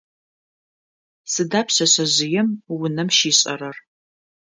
Сыда пшъэшъэжъыем унэм щишӏэрэр?